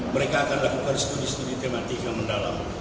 mereka akan lakukan studi studi tematika mendalam